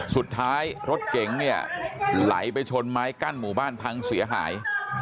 สุดท้ายรถเก๋งเนี่ยไหลไปชนไม้กั้นหมู่บ้านพังเสียหาย